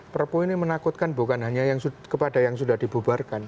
perpu ini menakutkan bukan hanya kepada yang sudah dibubarkan